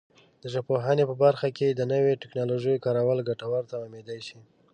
د ژبپوهنې په برخه کې د نویو ټکنالوژیو کارول ګټور تمامېدای شي.